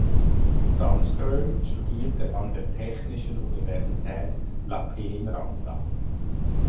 Sandström studierte an der Technischen Universität Lappeenranta.